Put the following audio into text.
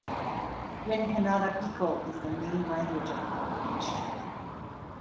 Rinconada Bikol is the main language of the population.